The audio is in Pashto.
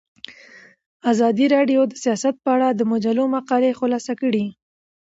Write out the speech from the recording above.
ازادي راډیو د سیاست په اړه د مجلو مقالو خلاصه کړې.